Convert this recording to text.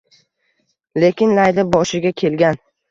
Lekin Layli boshiga kelgan